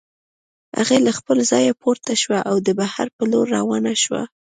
هغې له خپله ځايه پورته شوه او د بهر په لور روانه شوه.